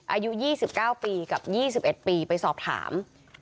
อายุยี่สิบเก้าปีกับยี่สิบเอ็ดปีไปสอบถาม